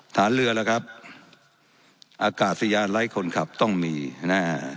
ฐานเรือล่ะครับอากาศยานไร้คนขับต้องมีนะฮะ